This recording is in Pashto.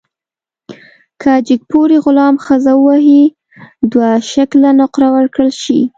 که جګپوړي غلام ښځه ووهي، دوه شِکِله نقره ورکړل شي.